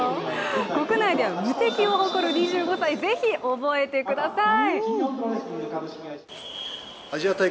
国内では無敵を誇る２５歳、ぜひ覚えてください。